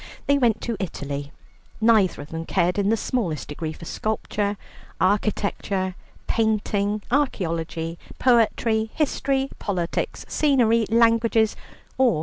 They went to Italy. Neither of them cared in the smallest degree for sculpture, architecture, painting, archæology, poetry, history, politics, scenery, languages, or foreigners.